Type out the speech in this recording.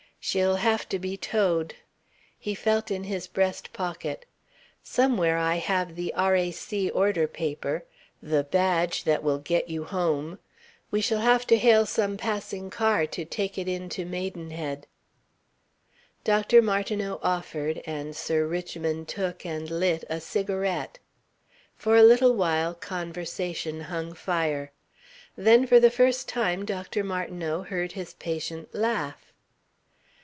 "She'll have to be towed." He felt in his breast pocket. "Somewhere I have the R.A.C. order paper, the Badge that will Get You Home. We shall have to hail some passing car to take it into Maidenhead." Dr. Martineau offered and Sir Richmond took and lit a cigarette. For a little while conversation hung fire. Then for the first time Dr. Martineau heard his patient laugh.